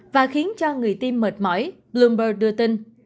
và khiến cho người tiêm mệt mỏi bloomberg đưa tin